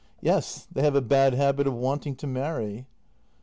] Yes, they have a bad habit of wanting to marry.